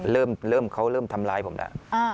เริ่มเริ่มเขาเริ่มทำร้ายผมนะ